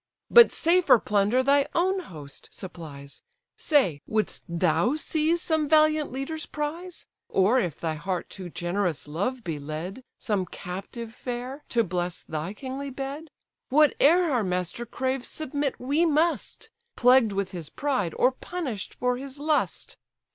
But safer plunder thy own host supplies; Say, wouldst thou seize some valiant leader's prize? Or, if thy heart to generous love be led, Some captive fair, to bless thy kingly bed? Whate'er our master craves submit we must, Plagued with his pride, or punish'd for his lust.